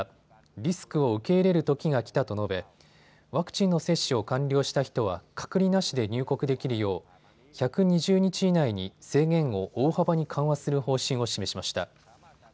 リスクを受け入れるときがきたと述べワクチンの接種を完了した人は、隔離なしで入国できるよう１２０日以内に制限を大幅に緩和する方針を示しました。